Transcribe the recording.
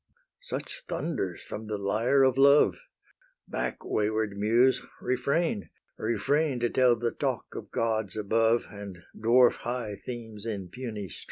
Such thunders from the lyre of love! Back, wayward Muse! refrain, refrain To tell the talk of gods above, And dwarf high themes in puny strain.